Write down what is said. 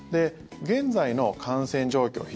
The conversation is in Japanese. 現在の感染状況